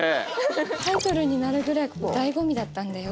タイトルになるぐらい醍醐味だったんだよ。